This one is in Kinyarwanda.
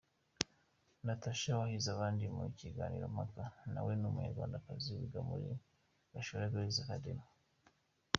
Nathasha wahize abandi mu biganiro mpaka nawe ni umunyarwandakazi wiga muri Gashora Girls Academy.